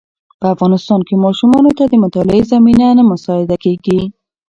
په افغانستان کې ماشومانو ته د مطالعې زمینه نه مساعده کېږي.